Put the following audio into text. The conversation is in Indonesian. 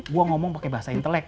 gue ngomong pakai bahasa intelek